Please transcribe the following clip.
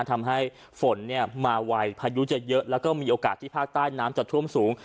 ทำให้ฝนมาไวพายุจะเยอะแล้วก็มีโอกาสที่ภาคใต้น้ำจะท่วมสูง